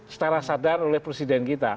setara sadar oleh presiden kita